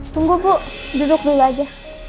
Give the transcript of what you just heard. tunggu bu duduk dulu aja